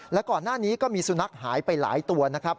และก่อนหน้านี้ก็มีสุนัขหายไปหลายตัวนะครับ